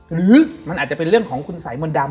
หรือมันอาจจะเป็นเรื่องของคุณสายมนต์ดำ